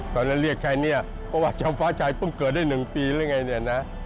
ตอนนั้นเรียกใครเนี่ยว่าเจ้าฟ้าชายเพิ่งเกิดได้หนึ่งปีหรือไงเนี่ยนะ